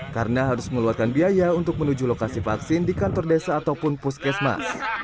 karena harus mengeluarkan biaya untuk menuju lokasi vaksin di kantor desa ataupun puskesmas